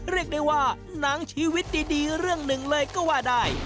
เรียกได้ว่าหนังชีวิตดีเรื่องหนึ่งเลยก็ว่าได้